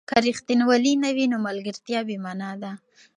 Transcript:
که ریښتینولي نه وي، نو ملګرتیا بې مانا ده.